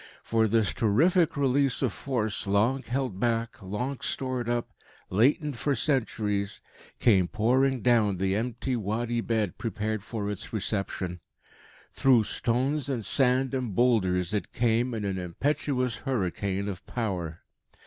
For this terrific release of force long held back, long stored up, latent for centuries, came pouring down the empty Wadi bed prepared for its reception. Through stones and sand and boulders it came in an impetuous hurricane of power.